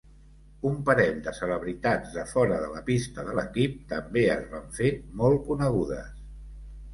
Un parell de celebritats de fora de la pista de l'equip també es van fer molt conegudes.